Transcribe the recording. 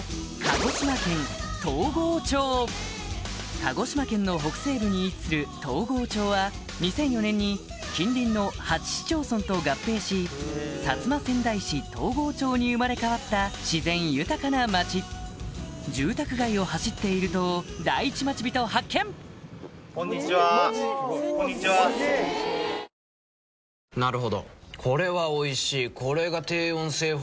鹿児島県の北西部に位置する東郷町は２００４年に近隣の８市町村と合併し薩摩川内市東郷町に生まれ変わった自然豊かな町住宅街を走っていると顔の印象はね変わるのよ